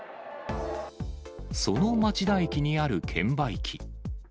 その町田駅にある券売機。